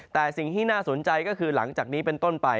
แต่สิ่งที่น่าสนใจก็คือหลังจากนี้เป็นต้นไป